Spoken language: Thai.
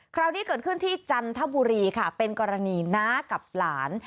คราวนี้เกิดขึ้นที่จันทบุรีค่ะเป็นกรณีน้ากับหลาน